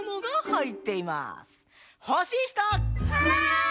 はい！